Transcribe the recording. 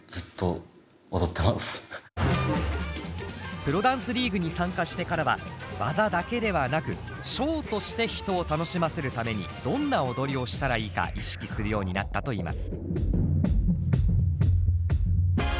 プロダンスリーグに参加してからは技だけではなくショーとして人を楽しませるためにどんな踊りをしたらいいか意識するようになったといいます。